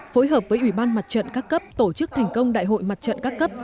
phối hợp với ủy ban mặt trận các cấp tổ chức thành công đại hội mặt trận các cấp